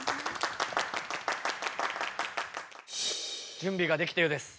準備ができたようです。